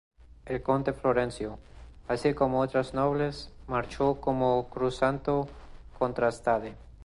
El conde Florencio, así como otros nobles, marchó como cruzado contra Stade.